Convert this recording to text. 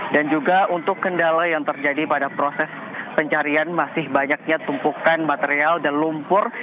dan juga untuk kendala yang terjadi pada proses pencarian masih banyaknya tumpukan material dan lumpur